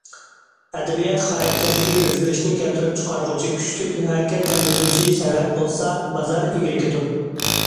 ئەدەبىيات خاراكتېرىدىكى ئۆزگىرىشنى كەلتۈرۈپ چىقارغۇچى كۈچلۈك ھەرىكەتلەندۈرگۈچى سەۋەب بولسا، بازار ئىگىلىكىدۇر.